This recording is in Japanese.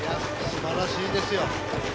すばらしいですよ。